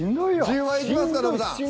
１０倍いきますかノブさん。